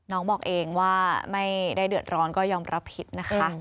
น้องบอกเองว่าไม่ได้เดือดร้อนก็ยอมรับผิดนะคะ